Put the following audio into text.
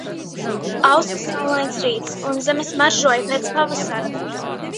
Ausa saulains rīts un zeme smaržoja pēc pavasara